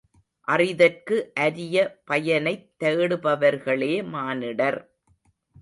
அறிதற்கு அரிய பயனைத் தேடுபவர்களே மானிடர்.